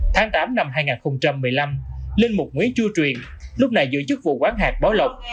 tháng tám năm hai nghìn một mươi năm linh mục nguyễn chua truyền lúc này giữ chức vụ quán hạt bảo lộc